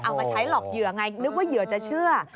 เอามาใช้หลอกเหยื่อไงนึกว่าเหยื่อจะเชื่อ